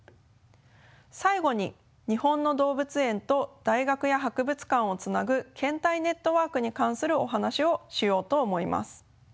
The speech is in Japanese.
最後に日本の動物園と大学や博物館をつなぐ献体ネットワークに関するお話をしようと思います。